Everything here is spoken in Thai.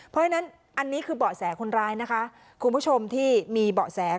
เพราะฉะนั้นอันนี้คือเบาะแสคนร้ายนะคะคุณผู้ชมที่มีเบาะแส